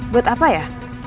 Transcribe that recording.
buat apa ya